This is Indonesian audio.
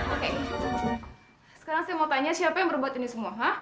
oke sekarang saya mau tanya siapa yang berbuat ini semua